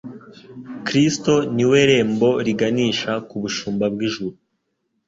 Kristo ni we rembo riganisha ku bushumba bw'ijuru.